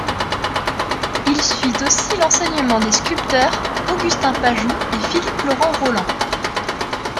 Il suit aussi l'enseignement des sculpteurs Augustin Pajou et Philippe-Laurent Roland.